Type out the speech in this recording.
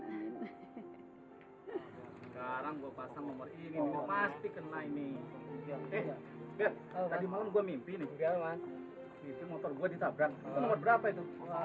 sekarang gue pasang nomor ini pasti kena ini